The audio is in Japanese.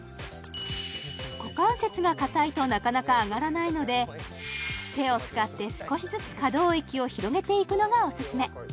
股関節がかたいとなかなか上がらないので手を使って少しずつ可動域を広げていくのがオススメ